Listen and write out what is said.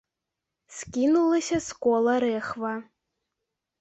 Скінулася з кола рэхва.